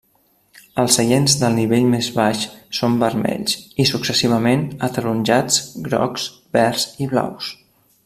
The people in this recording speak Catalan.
Els seients del nivell més baix són vermells i, successivament, ataronjats, grocs, verds i blaus.